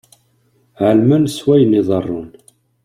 Ɛelmen s wayen iḍerrun.